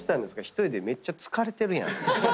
１人でめっちゃ疲れてるやん。